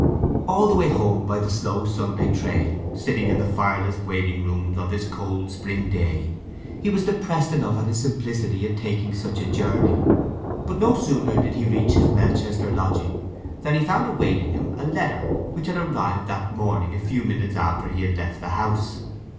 All the way home by the slow Sunday train, sitting in the fireless waiting rooms on this cold spring day, he was depressed enough at his simplicity in taking such a journey. But no sooner did he reach his Melchester lodging than he found awaiting him a letter which had arrived that morning a few minutes after he had left the house.